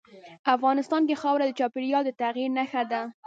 افغانستان کې خاوره د چاپېریال د تغیر نښه ده.